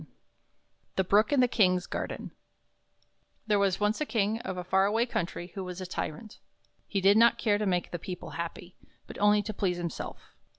34 The Brook in the Kings Garden T HERE was once a King of a far away country who was a tyrant. He did not care to make the people happy, but only to please himself.